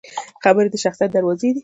خبرې د شخصیت دروازې دي